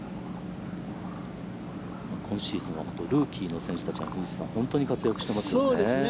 今シーズンは本当のルーキーの選手たちが本当に活躍していますね。